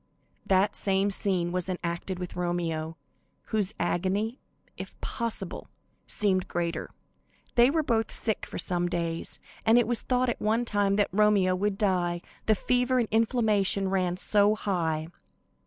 The same scene was enacted with Romeo, whose agony, if possible, seemed greater. They were both sick for some days, and it was thought at one time that Romeo would die, the fever and inflammation ran so high.